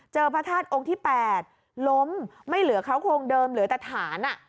พระธาตุองค์ที่๘ล้มไม่เหลือเขาโครงเดิมเหลือแต่ฐาน